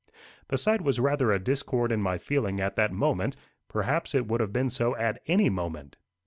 The sight was rather a discord in my feeling at that moment; perhaps it would have been so at any moment.